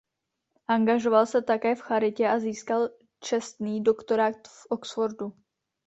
Angažoval se také v charitě a získal čestný doktorát v Oxfordu.